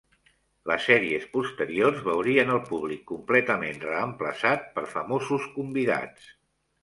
Les sèries posteriors veurien el públic completament reemplaçat per famosos convidats.